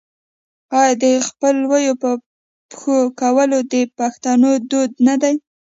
آیا د څپلیو په پښو کول د پښتنو دود نه دی؟